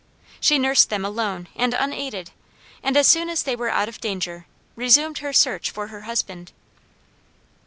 She nursed them alone and unaided, and as soon as they were out of danger, resumed her search for her husband.